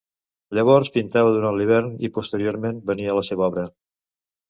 Llavors pintava durant l'hivern i posteriorment venia la seva obra.